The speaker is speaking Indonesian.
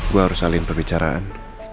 gua harus salihin perbicaraan